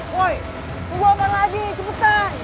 woy tunggu abang lagi cepetan